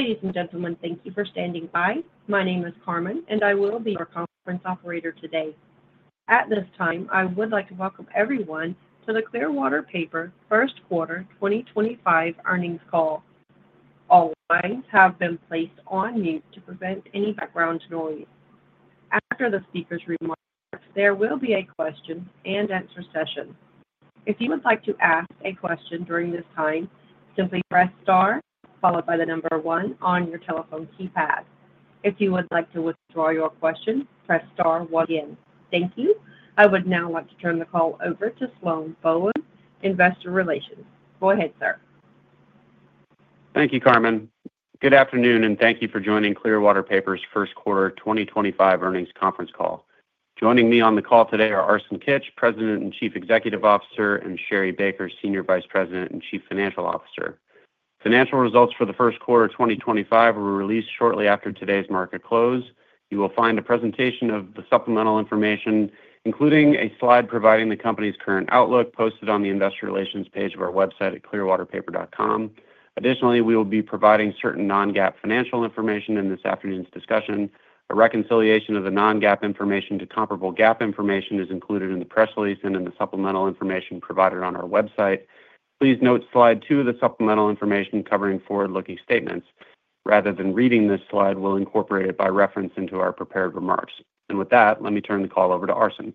Ladies and gentlemen, thank you for standing by. My name is Carmen, and I will be your conference operator today. At this time, I would like to welcome everyone to the Clearwater Paper First Quarter 2025 Earnings Call. All lines have been placed on mute to prevent any background noise. After the speakers remark, there will be a question and answer session. If you would like to ask a question during this time, simply press star followed by the number one on your telephone keypad. If you would like to withdraw your question, press star once again. Thank you. I would now like to turn the call over to Sloan Bohlen, Investor Relations. Go ahead, sir. Thank you, Carmen. Good afternoon, and thank you for joining Clearwater Paper's First Quarter 2025 Earnings Conference Call. Joining me on the call today are Arsen Kitch, President and Chief Executive Officer, and Sherri Baker, Senior Vice President and Chief Financial Officer. Financial results for the first quarter of 2025 were released shortly after today's market close. You will find a presentation of the supplemental information, including a slide providing the company's current outlook, posted on the Investor Relations page of our website at clearwaterpaper.com. Additionally, we will be providing certain non-GAAP financial information in this afternoon's discussion. A reconciliation of the non-GAAP information to comparable GAAP information is included in the press release and in the supplemental information provided on our website. Please note slide two of the supplemental information covering forward-looking statements. Rather than reading this slide, we'll incorporate it by reference into our prepared remarks. With that, let me turn the call over to Arsen.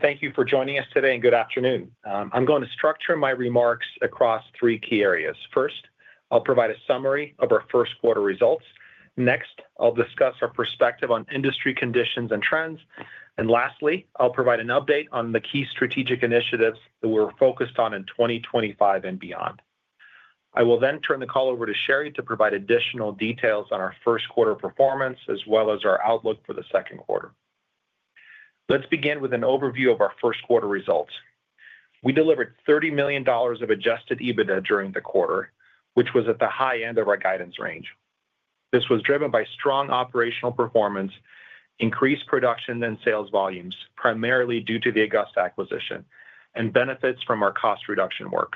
Thank you for joining us today, and good afternoon. I'm going to structure my remarks across three key areas. First, I'll provide a summary of our first quarter results. Next, I'll discuss our perspective on industry conditions and trends. Lastly, I'll provide an update on the key strategic initiatives that we're focused on in 2025 and beyond. I will then turn the call over to Sherri to provide additional details on our first quarter performance as well as our outlook for the second quarter. Let's begin with an overview of our first quarter results. We delivered $30 million of adjusted EBITDA during the quarter, which was at the high end of our guidance range. This was driven by strong operational performance, increased production and sales volumes, primarily due to the Augusta acquisition, and benefits from our cost reduction work.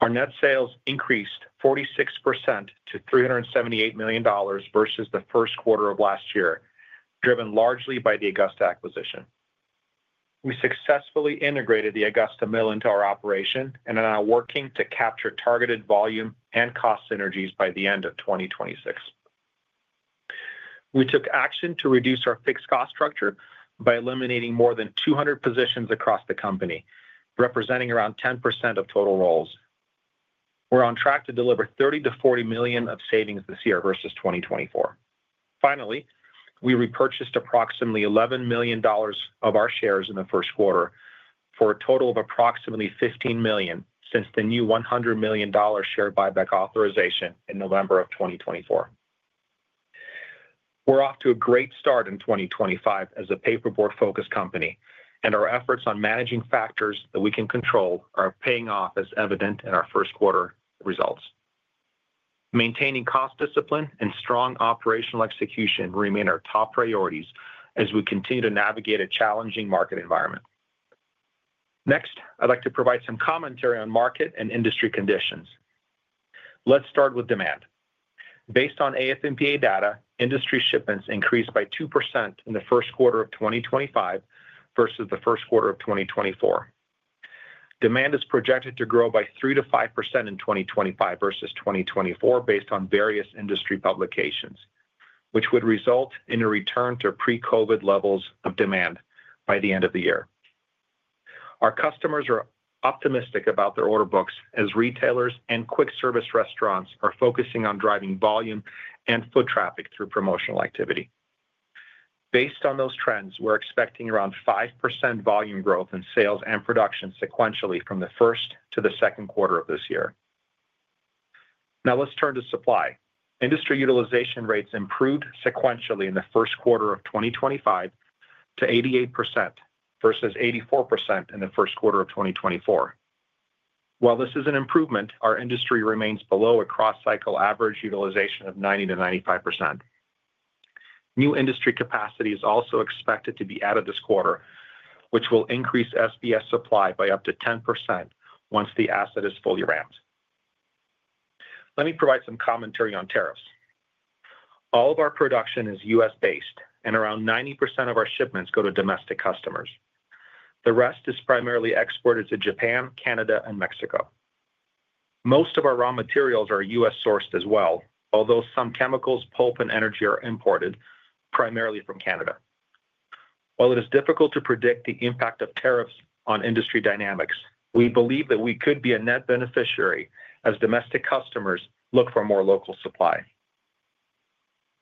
Our net sales increased 46% to $378 million versus the first quarter of last year, driven largely by the Augusta acquisition. We successfully integrated the Augusta mill into our operation and are now working to capture targeted volume and cost synergies by the end of 2026. We took action to reduce our fixed cost structure by eliminating more than 200 positions across the company, representing around 10% of total roles. We're on track to deliver $30-$40 million of savings this year versus 2024. Finally, we repurchased approximately $11 million of our shares in the first quarter for a total of approximately $15 million since the new $100 million share buyback authorization in November of 2024. We're off to a great start in 2025 as a paperboard-focused company, and our efforts on managing factors that we can control are paying off as evident in our first quarter results. Maintaining cost discipline and strong operational execution remain our top priorities as we continue to navigate a challenging market environment. Next, I'd like to provide some commentary on market and industry conditions. Let's start with demand. Based on AF&PA data, industry shipments increased by 2% in the first quarter of 2025 versus the first quarter of 2024. Demand is projected to grow by 3-5% in 2025 versus 2024 based on various industry publications, which would result in a return to pre-COVID levels of demand by the end of the year. Our customers are optimistic about their order books as retailers and quick-service restaurants are focusing on driving volume and foot traffic through promotional activity. Based on those trends, we're expecting around 5% volume growth in sales and production sequentially from the first to the second quarter of this year. Now, let's turn to supply. Industry utilization rates improved sequentially in the first quarter of 2025 to 88% versus 84% in the first quarter of 2024. While this is an improvement, our industry remains below a cross-cycle average utilization of 90-95%. New industry capacity is also expected to be added this quarter, which will increase SBS supply by up to 10% once the asset is fully ramped. Let me provide some commentary on tariffs. All of our production is U.S.-based, and around 90% of our shipments go to domestic customers. The rest is primarily exported to Japan, Canada, and Mexico. Most of our raw materials are U.S.-sourced as well, although some chemicals, pulp, and energy are imported primarily from Canada. While it is difficult to predict the impact of tariffs on industry dynamics, we believe that we could be a net beneficiary as domestic customers look for more local supply.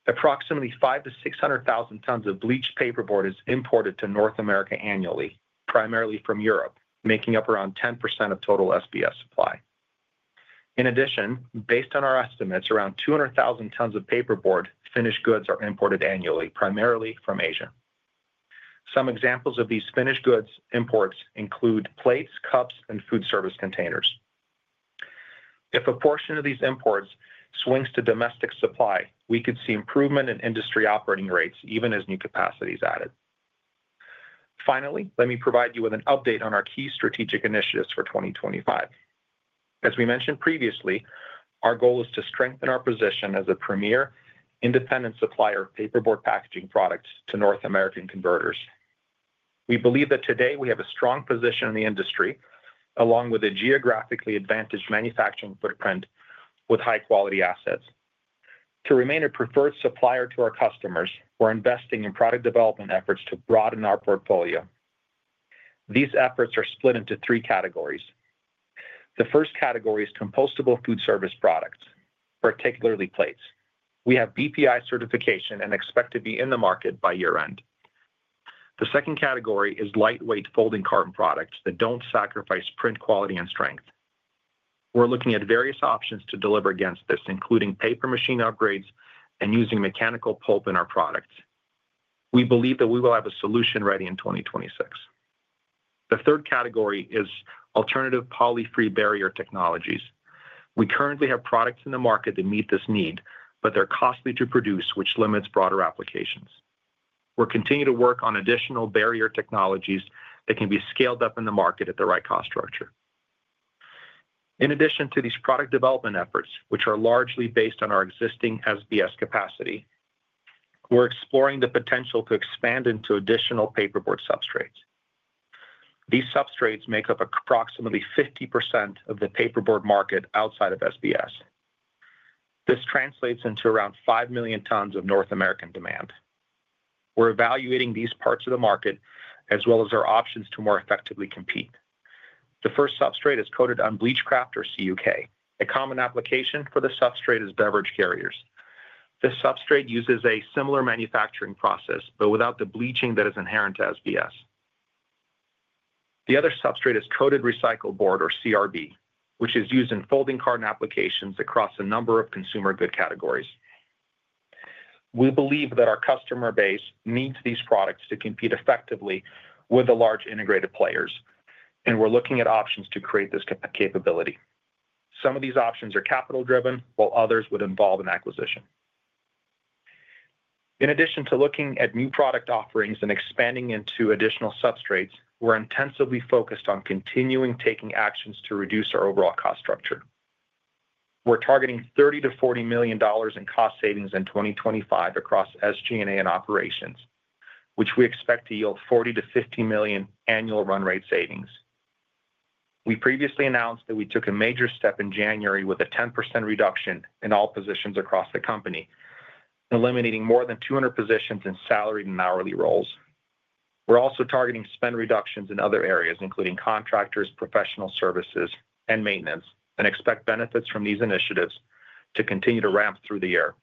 Approximately 500,000 to 600,000 tons of bleached paperboard is imported to North America annually, primarily from Europe, making up around 10% of total SBS supply. In addition, based on our estimates, around 200,000 tons of paperboard finished goods are imported annually, primarily from Asia. Some examples of these finished goods imports include plates, cups, and food service containers. If a portion of these imports swings to domestic supply, we could see improvement in industry operating rates even as new capacity is added. Finally, let me provide you with an update on our key strategic initiatives for 2025. As we mentioned previously, our goal is to strengthen our position as a premier independent supplier of paperboard packaging products to North American converters. We believe that today we have a strong position in the industry along with a geographically advantaged manufacturing footprint with high-quality assets. To remain a preferred supplier to our customers, we're investing in product development efforts to broaden our portfolio. These efforts are split into three categories. The first category is compostable food service products, particularly plates. We have BPI certification and expect to be in the market by year-end. The second category is lightweight folding carton products that don't sacrifice print quality and strength. We're looking at various options to deliver against this, including paper machine upgrades and using mechanical pulp in our products. We believe that we will have a solution ready in 2026. The third category is alternative polyfree barrier technologies. We currently have products in the market that meet this need, but they're costly to produce, which limits broader applications. We're continuing to work on additional barrier technologies that can be scaled up in the market at the right cost structure. In addition to these product development efforts, which are largely based on our existing SBS capacity, we're exploring the potential to expand into additional paperboard substrates. These substrates make up approximately 50% of the paperboard market outside of SBS. This translates into around 5 million tons of North American demand. We're evaluating these parts of the market as well as our options to more effectively compete. The first substrate is coated unbleached kraft or CUK. A common application for the substrate is beverage carriers. This substrate uses a similar manufacturing process, but without the bleaching that is inherent to SBS. The other substrate is coated recycled board or CRB, which is used in folding carton applications across a number of consumer good categories. We believe that our customer base needs these products to compete effectively with the large integrated players, and we're looking at options to create this capability. Some of these options are capital-driven, while others would involve an acquisition. In addition to looking at new product offerings and expanding into additional substrates, we're intensively focused on continuing taking actions to reduce our overall cost structure. We're targeting $30-$40 million in cost savings in 2025 across SG&A and operations, which we expect to yield $40-$50 million annual run rate savings. We previously announced that we took a major step in January with a 10% reduction in all positions across the company, eliminating more than 200 positions in salaried and hourly roles. We're also targeting spend reductions in other areas, including contractors, professional services, and maintenance, and expect benefits from these initiatives to continue to ramp through the year.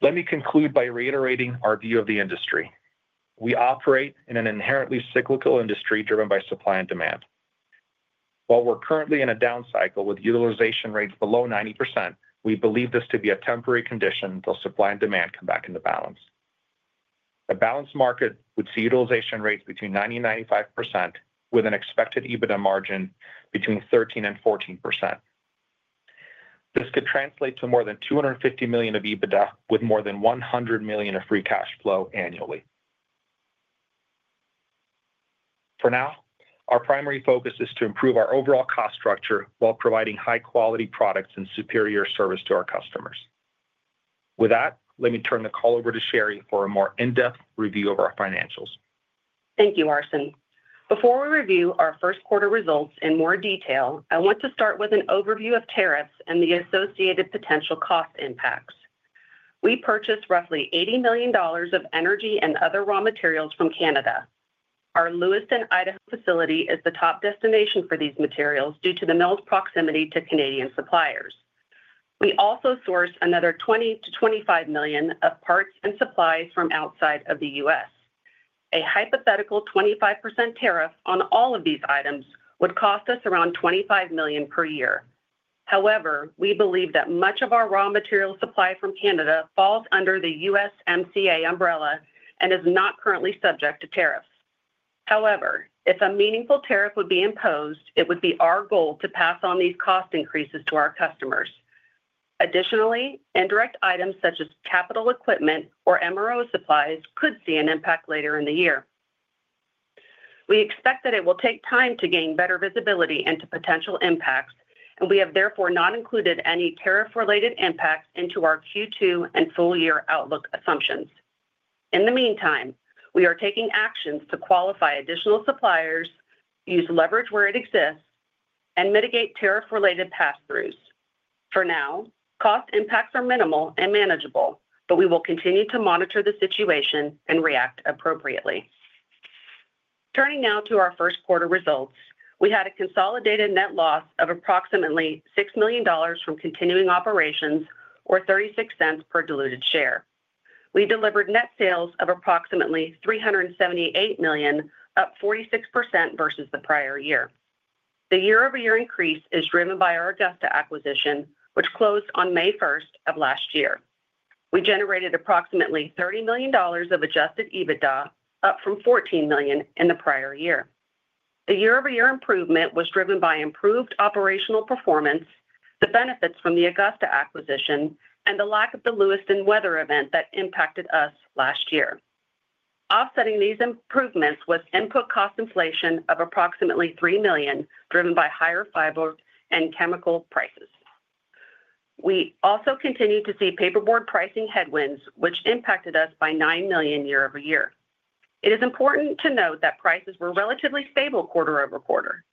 Let me conclude by reiterating our view of the industry. We operate in an inherently cyclical industry driven by supply and demand. While we're currently in a down cycle with utilization rates below 90%, we believe this to be a temporary condition until supply and demand come back into balance. A balanced market would see utilization rates between 90-95%, with an expected EBITDA margin between 13-14%. This could translate to more than $250 million of EBITDA, with more than $100 million of free cash flow annually. For now, our primary focus is to improve our overall cost structure while providing high-quality products and superior service to our customers. With that, let me turn the call over to Sherri for a more in-depth review of our financials. Thank you, Arsen. Before we review our first quarter results in more detail, I want to start with an overview of tariffs and the associated potential cost impacts. We purchased roughly $80 million of energy and other raw materials from Canada. Our Lewiston, Idaho facility is the top destination for these materials due to the mill's proximity to Canadian suppliers. We also sourced another $20-$25 million of parts and supplies from outside of the U.S. A hypothetical 25% tariff on all of these items would cost us around $25 million per year. However, we believe that much of our raw material supply from Canada falls under the UMCA umbrella and is not currently subject to tariffs. However, if a meaningful tariff would be imposed, it would be our goal to pass on these cost increases to our customers. Additionally, indirect items such as capital equipment or MRO supplies could see an impact later in the year. We expect that it will take time to gain better visibility into potential impacts, and we have therefore not included any tariff-related impacts into our Q2 and Full-Year Outlook Assumptions. In the meantime, we are taking actions to qualify additional suppliers, use leverage where it exists, and mitigate tariff-related pass-throughs. For now, cost impacts are minimal and manageable, but we will continue to monitor the situation and react appropriately. Turning now to our first quarter results, we had a consolidated net loss of approximately $6 million from continuing operations, or $0.36 per diluted share. We delivered net sales of approximately $378 million, up 46% versus the prior year. The year-over-year increase is driven by our Augusta acquisition, which closed on May 1 of last year. We generated approximately $30 million of adjusted EBITDA, up from $14 million in the prior year. The year-over-year improvement was driven by improved operational performance, the benefits from the Augusta acquisition, and the lack of the Lewiston weather event that impacted us last year. Offsetting these improvements was input cost inflation of approximately $3 million, driven by higher fiber and chemical prices. We also continue to see paperboard pricing headwinds, which impacted us by $9 million year-over-year. It is important to note that prices were relatively stable quarter over quarter.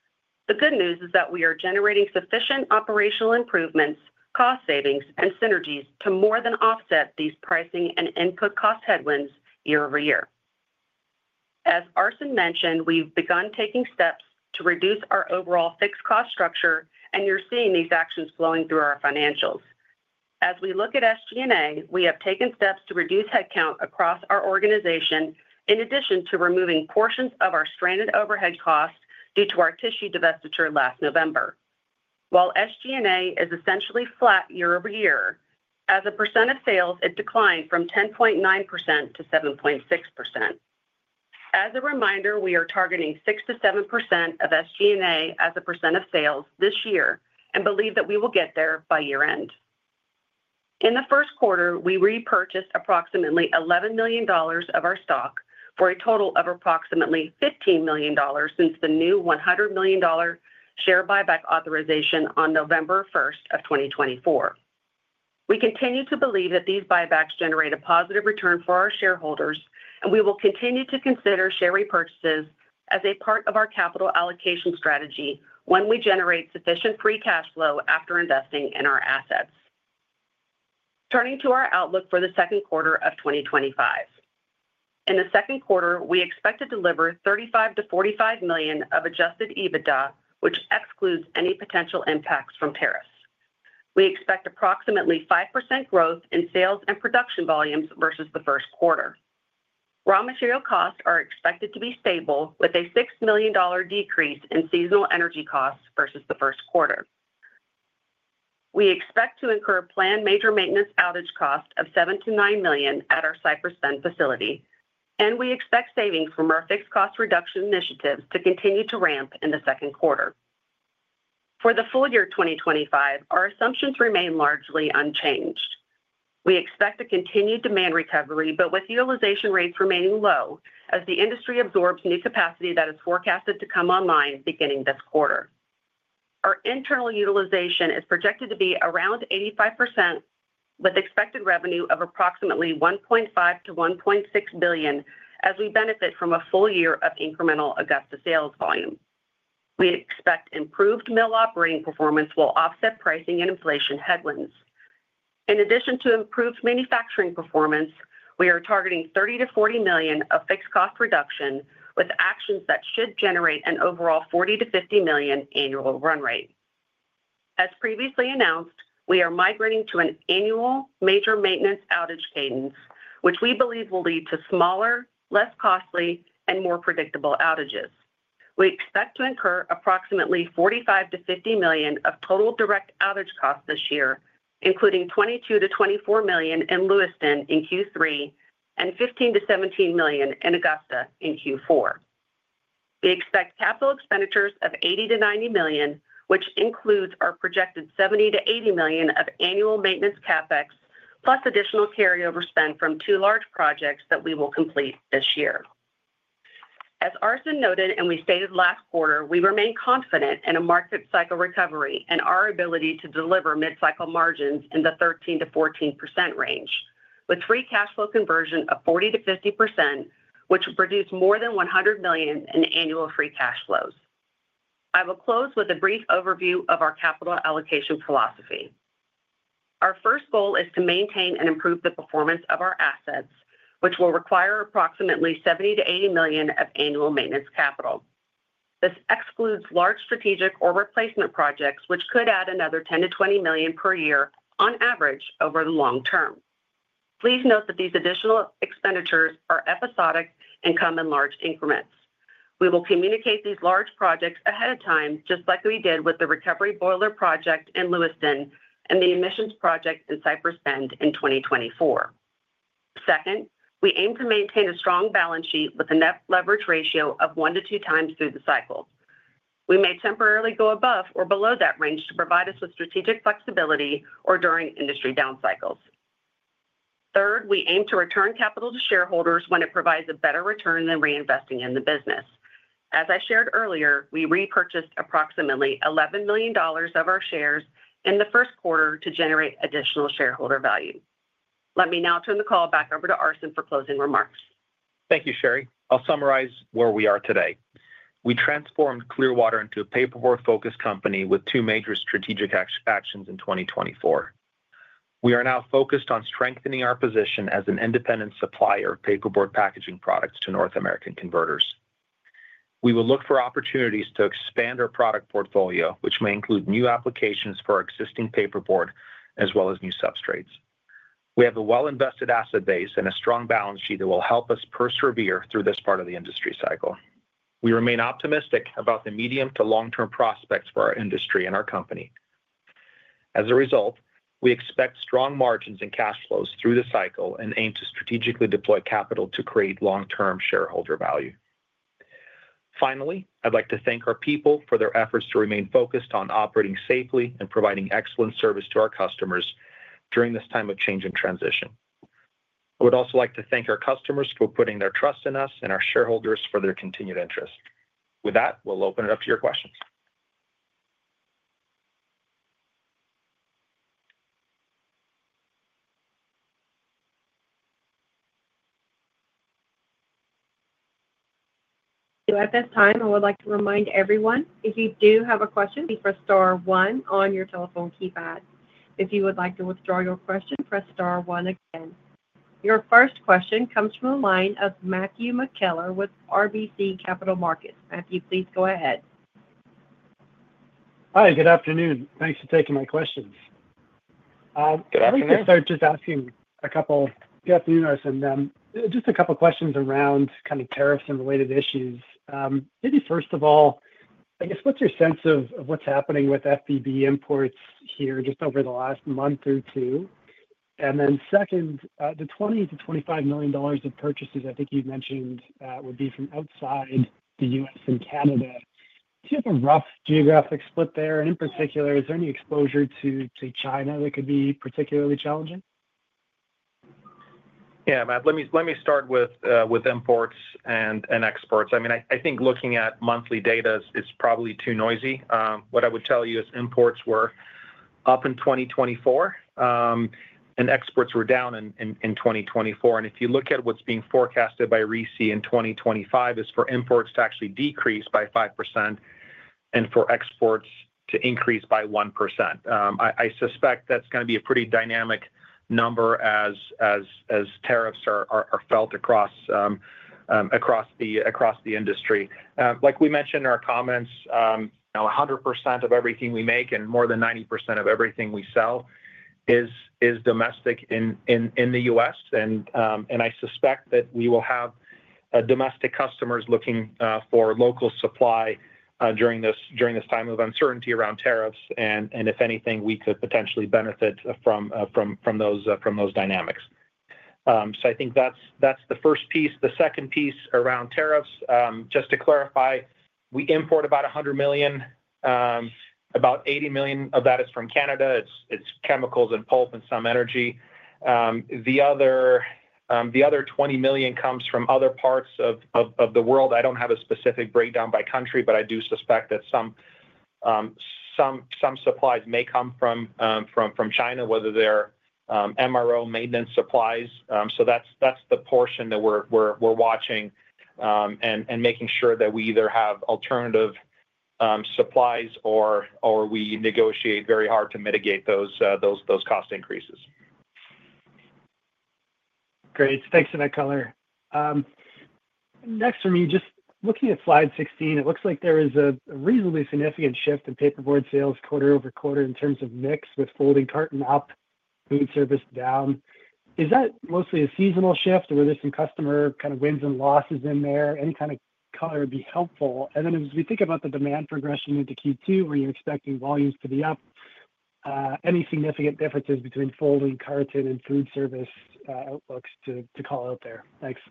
The good news is that we are generating sufficient operational improvements, cost savings, and synergies to more than offset these pricing and input cost headwinds year-over-year. As Arsen mentioned, we've begun taking steps to reduce our overall fixed cost structure, and you're seeing these actions flowing through our financials. As we look at SG&A, we have taken steps to reduce headcount across our organization in addition to removing portions of our stranded overhead costs due to our tissue divestiture last November. While SG&A is essentially flat year-over-year, as a percent of sales, it declined from 10.9% to 7.6%. As a reminder, we are targeting 6%-7% of SG&A as a percent of sales this year and believe that we will get there by year-end. In the first quarter, we repurchased approximately $11 million of our stock for a total of approximately $15 million since the new $100 million share buyback authorization on November 1st 2024. We continue to believe that these buybacks generate a positive return for our shareholders, and we will continue to consider share repurchases as a part of our capital allocation strategy when we generate sufficient free cash flow after investing in our assets. Turning to our outlook for the second quarter of 2025. In the second quarter, we expect to deliver $35-$45 million of adjusted EBITDA, which excludes any potential impacts from tariffs. We expect approximately 5% growth in sales and production volumes versus the first quarter. Raw material costs are expected to be stable, with a $6 million decrease in seasonal energy costs versus the first quarter. We expect to incur planned major maintenance outage costs of $7-$9 million at our Cypress Bend facility, and we expect savings from our fixed cost reduction initiatives to continue to ramp in the second quarter. For the full year 2025, our assumptions remain largely unchanged. We expect a continued demand recovery, but with utilization rates remaining low as the industry absorbs new capacity that is forecasted to come online beginning this quarter. Our internal utilization is projected to be around 85%, with expected revenue of approximately $1.5 billion-$1.6 billion, as we benefit from a full year of incremental Augusta sales volume. We expect improved mill operating performance will offset pricing and inflation headwinds. In addition to improved manufacturing performance, we are targeting $30 million-$40 million of fixed cost reduction with actions that should generate an overall $40 million-$50 million annual run rate. As previously announced, we are migrating to an annual major maintenance outage cadence, which we believe will lead to smaller, less costly, and more predictable outages. We expect to incur approximately $45 million-$50 million of total direct outage costs this year, including $22 million-$24 million in Lewiston in Q3 and $15 million-$17 million in Augusta in Q4. We expect capital expenditures of $80-$90 million, which includes our projected $70-$80 million of annual maintenance CapEx, plus additional carryover spend from two large projects that we will complete this year. As Arsen noted and we stated last quarter, we remain confident in a market cycle recovery and our ability to deliver mid-cycle margins in the 13-14% range, with free cash flow conversion of 40-50%, which will produce more than $100 million in annual free cash flows. I will close with a brief overview of our capital allocation philosophy. Our first goal is to maintain and improve the performance of our assets, which will require approximately $70-$80 million of annual maintenance capital. This excludes large strategic or replacement projects, which could add another $10-$20 million per year on average over the long term. Please note that these additional expenditures are episodic and come in large increments. We will communicate these large projects ahead of time, just like we did with the recovery boiler project in Lewiston and the emissions project in Cypress Bend in 2024. Second, we aim to maintain a strong balance sheet with a net leverage ratio of 1-2 times through the cycle. We may temporarily go above or below that range to provide us with strategic flexibility or during industry down cycles. Third, we aim to return capital to shareholders when it provides a better return than reinvesting in the business. As I shared earlier, we repurchased approximately $11 million of our shares in the first quarter to generate additional shareholder value. Let me now turn the call back over to Arsen for closing remarks. Thank you, Sherri. I'll summarize where we are today. We transformed Clearwater into a paperboard-focused company with two major strategic actions in 2024. We are now focused on strengthening our position as an independent supplier of paperboard packaging products to North American converters. We will look for opportunities to expand our product portfolio, which may include new applications for our existing paperboard, as well as new substrates. We have a well-invested asset base and a strong balance sheet that will help us persevere through this part of the industry cycle. We remain optimistic about the medium to long-term prospects for our industry and our company. As a result, we expect strong margins and cash flows through the cycle and aim to strategically deploy capital to create long-term shareholder value. Finally, I'd like to thank our people for their efforts to remain focused on operating safely and providing excellent service to our customers during this time of change and transition. I would also like to thank our customers for putting their trust in us and our shareholders for their continued interest. With that, we'll open it up to your questions. At this time, I would like to remind everyone, if you do have a question, please press star one on your telephone keypad. If you would like to withdraw your question, press star one again. Your first question comes from the line of Matthew McKellar with RBC Capital Markets. Matthew, please go ahead. Hi, good afternoon. Thanks for taking my questions. Good afternoon. I was going to start just asking a couple of good afternoon, Arsen. Just a couple of questions around kind of tariffs and related issues. Maybe first of all, I guess what's your sense of what's happening with FBB imports here just over the last month or two? Then second, the $20-$25 million of purchases, I think you mentioned, would be from outside the U.S. and Canada. Do you have a rough geographic split there? In particular, is there any exposure to China that could be particularly challenging? Yeah, Matt, let me start with imports and exports. I mean, I think looking at monthly data is probably too noisy. What I would tell you is imports were up in 2024 and exports were down in 2024. If you look at what's being forecasted by RISI in 2025, it's for imports to actually decrease by 5% and for exports to increase by 1%. I suspect that's going to be a pretty dynamic number as tariffs are felt across the industry. Like we mentioned in our comments, 100% of everything we make and more than 90% of everything we sell is domestic in the U.S. I suspect that we will have domestic customers looking for local supply during this time of uncertainty around tariffs. If anything, we could potentially benefit from those dynamics. I think that's the first piece. The second piece around tariffs, just to clarify, we import about $100 million. About $80 million of that is from Canada. It's chemicals and pulp and some energy. The other $20 million comes from other parts of the world. I don't have a specific breakdown by country, but I do suspect that some supplies may come from China, whether they're MRO maintenance supplies. That's the portion that we're watching and making sure that we either have alternative supplies or we negotiate very hard to mitigate those cost increases. Great. Thanks, McKellar.Next from you, just looking at slide 16, it looks like there is a reasonably significant shift in paperboard sales quarter over quarter in terms of mix with folding carton up, food service down. Is that mostly a seasonal shift? Were there some customer kind of wins and losses in there? Any kind of color would be helpful. As we think about the demand progression into Q2, where you're expecting volumes to be up, any significant differences between folding carton and food service outlooks to call out there? Thanks.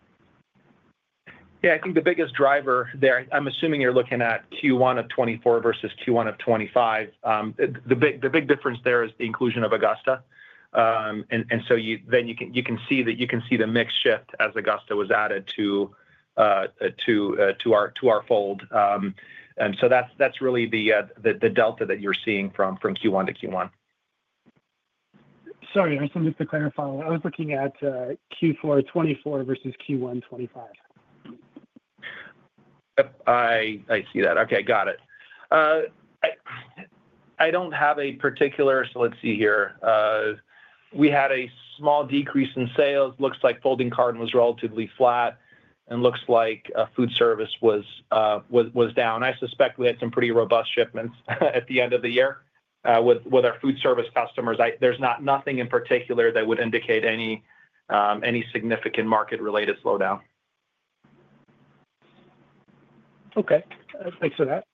Yeah, I think the biggest driver there, I'm assuming you're looking at Q1 of 2024 versus Q1 of 2025. The big difference there is the inclusion of Augusta. You can see the mix shift as Augusta was added to our fold. That's really the delta that you're seeing from Q1 to Q1. Sorry, Arsen, just to clarify, I was looking at Q4 2024 versus Q1 2025. I see that. Okay, got it. I do not have a particular, so let's see here. We had a small decrease in sales. Looks like folding carton was relatively flat and looks like food service was down. I suspect we had some pretty robust shipments at the end of the year with our food service customers. There is nothing in particular that would indicate any significant market-related slowdown. Okay. Thanks for that.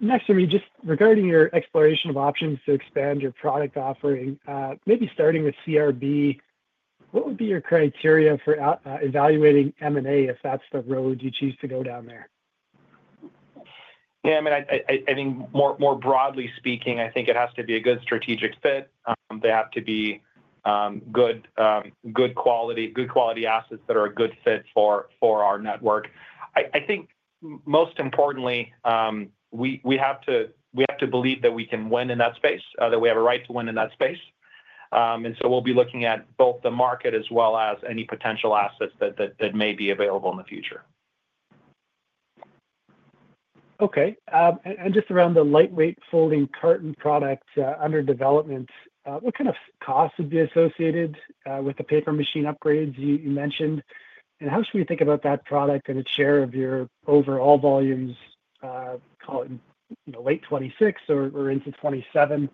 Next from you, just regarding your exploration of options to expand your product offering, maybe starting with CRB, what would be your criteria for evaluating M&A if that's the road you choose to go down there? Yeah, I mean, I think more broadly speaking, I think it has to be a good strategic fit. They have to be good quality assets that are a good fit for our network. I think most importantly, we have to believe that we can win in that space, that we have a right to win in that space. We will be looking at both the market as well as any potential assets that may be available in the future. Okay. Just around the lightweight folding carton product under development, what kind of costs would be associated with the paper machine upgrades you mentioned? How should we think about that product and its share of your overall volumes? Call it late 2026 or into 2027.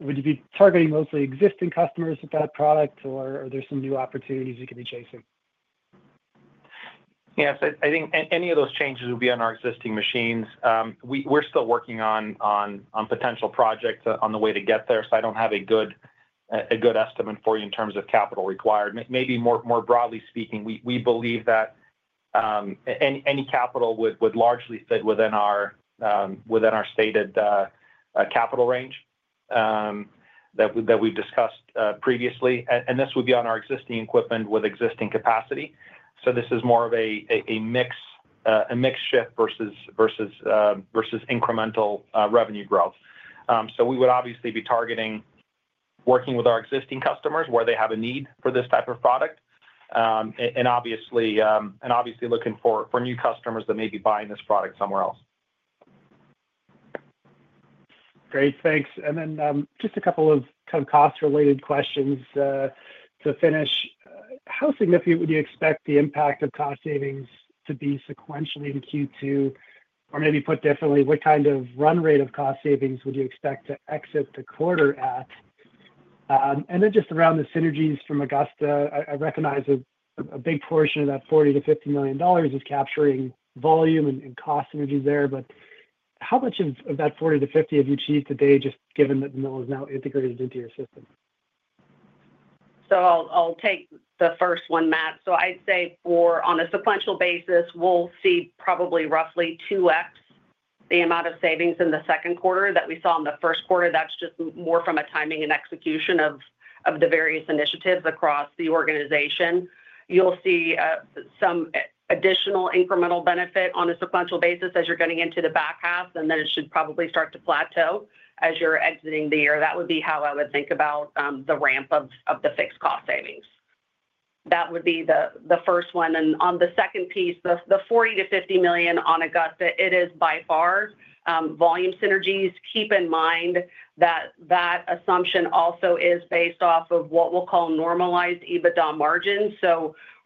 Would you be targeting mostly existing customers with that product, or are there some new opportunities you could be chasing? Yes, I think any of those changes would be on our existing machines. We're still working on potential projects on the way to get there, so I don't have a good estimate for you in terms of capital required. Maybe more broadly speaking, we believe that any capital would largely fit within our stated capital range that we've discussed previously. This would be on our existing equipment with existing capacity. This is more of a mix shift versus incremental revenue growth. We would obviously be targeting working with our existing customers where they have a need for this type of product and obviously looking for new customers that may be buying this product somewhere else. Great. Thanks. Just a couple of kind of cost-related questions to finish. How significant would you expect the impact of cost savings to be sequentially in Q2? Maybe put differently, what kind of run rate of cost savings would you expect to exit the quarter at? Just around the synergies from Augusta, I recognize a big portion of that $40-$50 million is capturing volume and cost synergy there. How much of that $40-$50 million have you achieved today, just given that the mill is now integrated into your system? I'll take the first one, Matt. I'd say on a sequential basis, we'll see probably roughly 2X the amount of savings in the second quarter that we saw in the first quarter. That's just more from a timing and execution of the various initiatives across the organization. You'll see some additional incremental benefit on a sequential basis as you're getting into the back half, and then it should probably start to plateau as you're exiting the year. That would be how I would think about the ramp of the fixed cost savings. That would be the first one. On the second piece, the $40-$50 million on Augusta, it is by far volume synergies. Keep in mind that that assumption also is based off of what we'll call normalized EBITDA margins.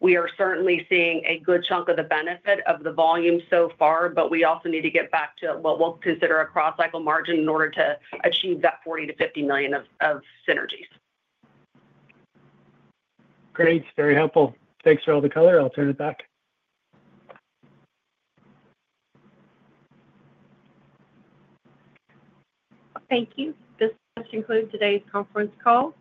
We are certainly seeing a good chunk of the benefit of the volume so far, but we also need to get back to what we'll consider a cross-cycle margin in order to achieve that $40-$50 million of synergies. Great. Very helpful. Thanks for all the color. I'll turn it back. Thank you. This concludes today's conference call.